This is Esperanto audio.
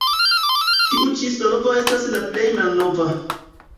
Tiu ĉi solvo estas la plej malnova.